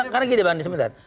karena gini pak muradi sementara